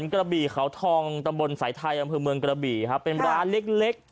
กระบี่เขาทองตำบลสายไทยอำเภอเมืองกระบี่ครับเป็นร้านเล็ก